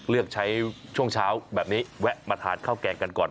เลือกใช้ช่วงเช้าแบบนี้แวะมาทานข้าวแกงกันก่อน